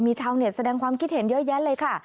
ชาวเน็ตแสดงความคิดเห็นเยอะแยะเลยค่ะ